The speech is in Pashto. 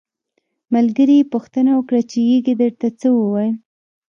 ملګري یې پوښتنه وکړه چې یږې درته څه وویل.